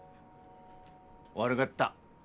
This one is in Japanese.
悪がった。